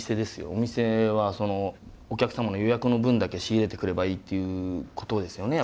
お店はそのお客様の予約の分だけ仕入れてくればいいっていうことですよね